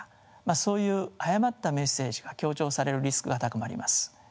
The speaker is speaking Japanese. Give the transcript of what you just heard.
そういう誤ったメッセージが強調されるリスクが高まります。